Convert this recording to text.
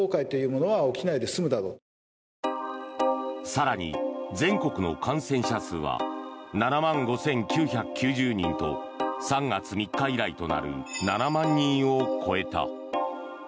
更に、全国の感染者数は７万５９９０人と３月３日以来となる７万人を超えた。